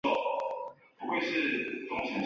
还有少数民族地区财政三照顾政策。